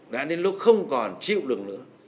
đã đến lúc không còn chịu được nữa